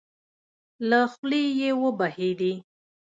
له خولې يې وبهېدې.